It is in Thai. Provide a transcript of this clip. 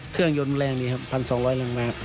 เครื่องยนต์แรงนี้๑๒๐๐ลิงต์มาก